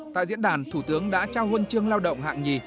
tại diễn đàn thủ tướng đã trao huân chương lao động hạng nhì